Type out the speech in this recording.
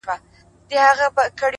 هڅه د وېرې دروازه تړي.!